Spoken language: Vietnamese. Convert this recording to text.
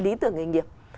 lý tưởng nghề nghiệp